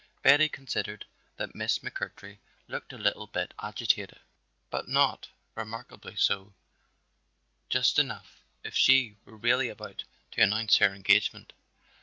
Betty considered that Miss McMurtry looked a little bit agitated, but not remarkably so, just enough if she were really about to announce her engagement.